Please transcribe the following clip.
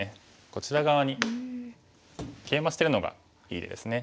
こちら側にケイマしてるのがいいですね。